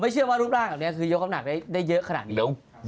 ไม่คิดว่ารูปร่างเซนจังมีกำหนักได้เยอะขนาดนี้